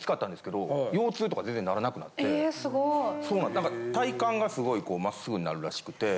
何か体幹がすごいまっすぐになるらしくて。